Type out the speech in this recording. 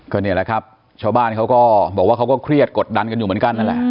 ก็นี่แหละครับชาวบ้านเขาก็บอกว่าเขาก็เครียดกดดันกันอยู่เหมือนกันนั่นแหละ